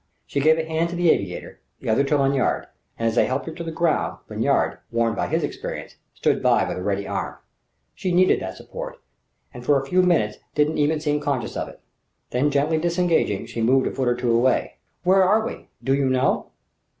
She gave a hand to the aviator, the other to Lanyard, and as they helped her to the ground, Lanyard, warned by his experience, stood by with a ready arm. She needed that support, and for a few minutes didn't seem even conscious of it. Then gently disengaging, she moved a foot or two away. "Where are we do you know?"